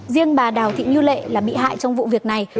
riêng bà đào thị như lệ là bị hại trong vụ việc này